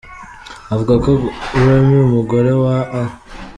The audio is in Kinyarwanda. Avuga ko Remy umugore wa A.